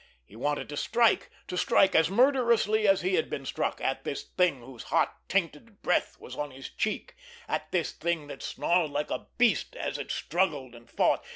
He wanted to strike; to strike, as murderously as he had been struck, at this thing whose hot, tainted breath was on his cheek, at this thing that snarled like a beast as it struggled and fought.